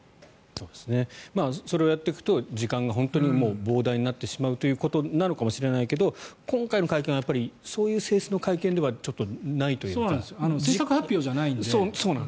それをやっていくと時間が膨大になってしまうということなのかもしれないけど今回の会見はそういう性質の会見では制作発表じゃないので。